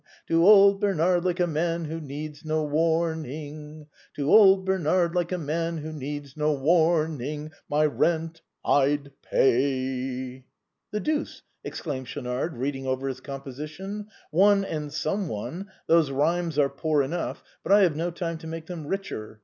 To old Bernard, like a man who needs no warning. To old Bernard, like a man who needs no warning, My rent I'd pay !"" The deuce !" exclaimed Schaunard, reading over his composition, " one and some one — those rhymes are poor enough, but I have no time to make them richer.